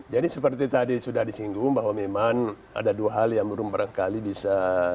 jadi seperti tadi sudah disinggung bahwa memang ada dua hal yang belum pernah kali bisa